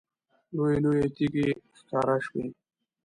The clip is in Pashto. لویې لویې تیږې ښکاره شوې.